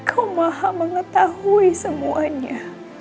engkau maha mengetahui semuanya